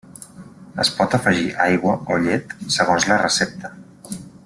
Es pot afegir aigua o llet segons la recepta.